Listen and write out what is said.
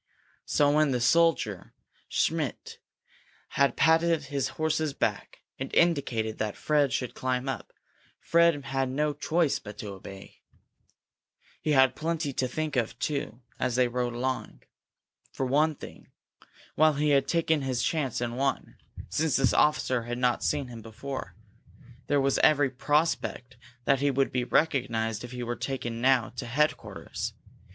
So when the soldier Schmidt patted his horse's back and indicated that Fred should climb up, Fred had no choice but to obey. He had plenty to think of, too, as they rode along. For one thing, while he had taken his chance and won, since this officer had not seen him before, there was every prospect that he would be recognized if he were now taken to headquarters.